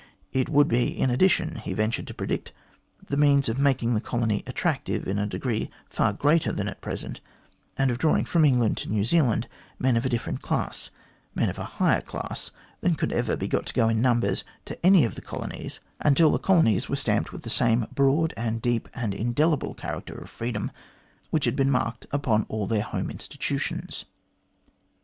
It would be, in addition, he ventured to predict, the means of making the colony attractive in a degree far greater than at present, and of drawing from England to New Zealand men of a different class, men of a higher class than could ever be got to go in numbers to any of the colonies until the 222 THE GLADSTONE COLONY colonies were stamped with the same broad, and deep, and indelible character of freedom, which had been marked upon all their home institutions.